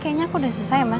kayaknya aku udah susah ya mas